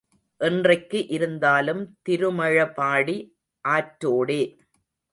என்றைக்கு இருந்தாலும் திருமழபாடி ஆற்றோடே.